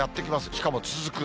しかも続く。